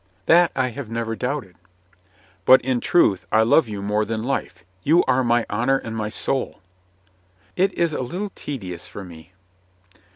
"That I have never doubted." "But in truth I love you more than life. You are my honor and my soul." "It is a little tedious for me."